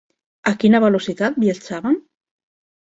A quina velocitat viatjaven?